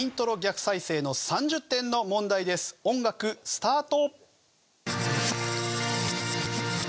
音楽スタート！